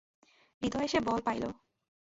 হৃদয়ে সে বল পাইল।